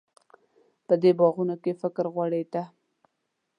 په دې باغونو کې فکر غوړېده.